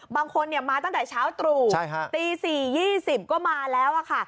บางคนมาตั้งแต่เช้าตรู่ตี๔๒๐ก็มาแล้วค่ะ